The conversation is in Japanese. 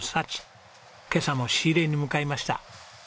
今朝も仕入れに向かいました。